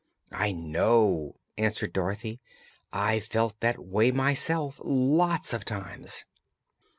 "I know," answered Dorothy. "I've felt that way myself, lots of times."